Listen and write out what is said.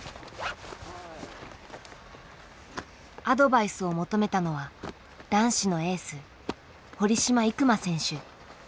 アドバイスを求めたのは男子のエース堀島行真選手。